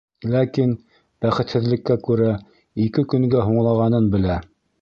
Ләкин, бәхетһеҙлеккә күрә, ике көнгә һуңлағанын белә...